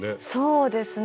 そうですね。